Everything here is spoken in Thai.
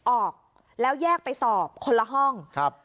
ออกแล้วแยกไปสอบคนละห้องครับ